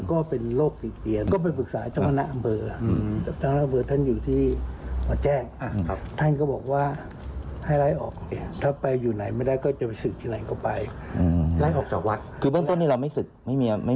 คือเบื้องต้นนี้เรามันไม่มีการศึกใช่ไหม